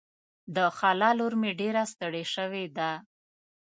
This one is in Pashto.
د خاله لور مې ډېره ستړې شوې ده.